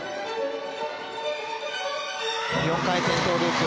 ４回転トウループ。